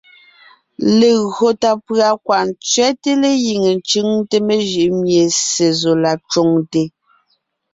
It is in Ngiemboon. Legÿo tà pʉ̀a kwaʼ ntsẅɛ́te légíŋe ńcʉŋte mejʉʼ mie Ssé zɔ la cwoŋte,